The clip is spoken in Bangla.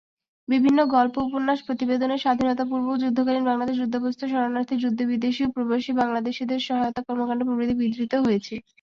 বিভিন্ন গল্প-উপন্যাস, প্রতিবেদনে স্বাধীনতা-পূর্ব ও যুদ্ধকালীন বাংলাদেশ, যুদ্ধাবস্থায় শরণার্থী, যুদ্ধে বিদেশী ও প্রবাসী বাংলাদেশীদের সহায়তা, কর্মকাণ্ড প্রভৃতি বিধৃত হয়েছে।